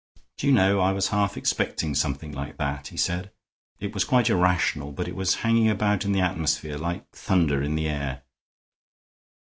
"Do you know, I was half expecting something like that," he said. "It was quite irrational, but it was hanging about in the atmosphere, like thunder in the air."